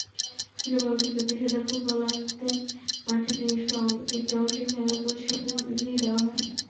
ছোটবেলা থেকে পেশাদার ফুটবলারদের মাঠের নির্দিষ্ট একটি অংশে খেলার প্রশিক্ষণই দেওয়া হয়।